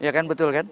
iya kan betul kan